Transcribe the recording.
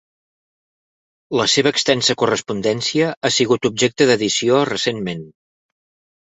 La seva extensa correspondència ha sigut objecte d'edició recentment.